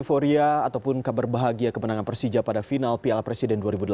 euforia ataupun kabar bahagia kemenangan persija pada final piala presiden dua ribu delapan belas